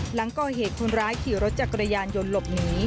หลังก่อเหตุคนร้ายขี่รถจักรยานยนต์หลบหนี